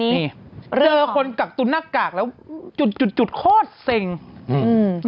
พี่เราหลุดมาไกลแล้วฝรั่งเศส